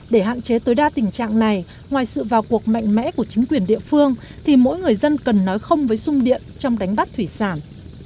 để hạn chế tối đa tình trạng này ngoài sự vào cuộc mạnh mẽ của chính quyền địa phương thì mỗi người dân cần nói không với sung điện trong đánh bắt thủy sản